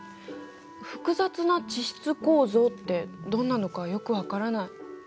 「複雑な地質構造」ってどんなのかよく分からない。